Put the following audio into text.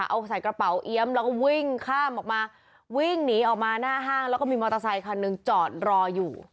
เอาใส่กระเป๋าเอี๊ยมแล้วก็วิ่งข้ามออกมาวิ่งหนีออกมาหน้าห้างแล้วก็มีมอเตอร์ไซคันหนึ่งจอดรออยู่